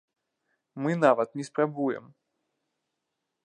Мы нават не спрабуем.